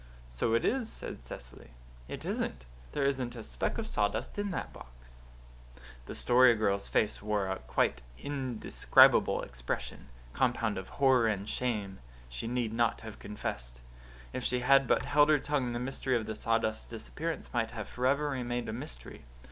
"So it is," said Cecily. "It isn't. There isn't a speck of sawdust in that box." The Story Girl's face wore a quite indescribable expression, compound of horror and shame. She need not have confessed. If she had but held her tongue the mystery of the sawdust's disappearance might have forever remained a mystery.